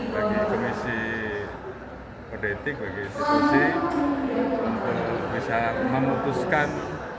bagi komisi politik bagi institusi untuk bisa memutuskan